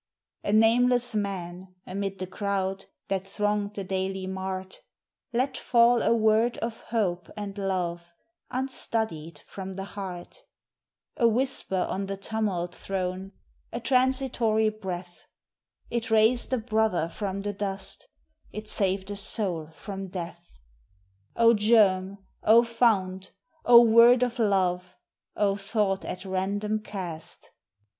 A nameless man, amid the crowd that thronged the daily mart, Let fall a word of Hope and Love, unstudied, from the heart; A whisper on the tumult thrown, a transitory breath, It raised a brother from the dust; it saved a soul from death. O germ! O fount! O word of love! O thought at random cast!